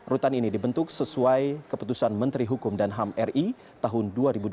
rutan ini dibentuk sesuai keputusan menteri hukum dan ham ri tahun dua ribu dua puluh